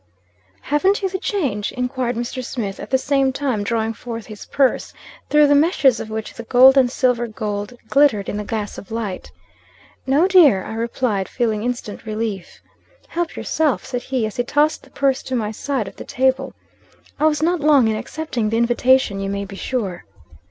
"Hav'nt you the change?" enquired Mr. Smith, at the same time drawing forth his purse, through the meshes of which the gold and silver coin glittered in the gas light. "No dear," I replied, feeling instant relief. "Help yourself;" said he, as he tossed the purse to my side of the table. I was not long in accepting the invitation you may be sure.